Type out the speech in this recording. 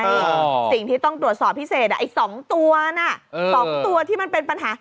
มีสิ่งที่ต้องตรวจสอบพิเศษอ่ะอักสองตัวน่ะที่มันเป็นปัญหา